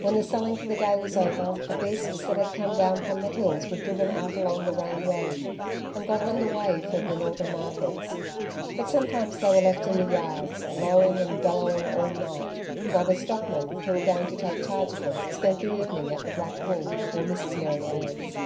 When the selling for the day was over, the beasts that had come down from the hills were driven out along the Rane road, and got under Way for the northern markets; but sometimes they were left in the yards, lowing and bellowing all night, while the stockmen who were going to take charge of them spent the evening at the Black Bull, or Mrs. Mary Ann's.